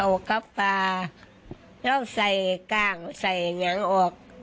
อ่าคอยคุยทอด